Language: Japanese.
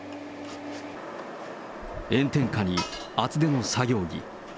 炎天下に厚手の作業着。